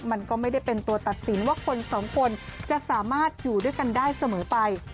มันก็ไม่ได้เป็นตัวตัดสินว่าคนสองคนจะสามารถอยู่ด้วยกันได้เสมอไป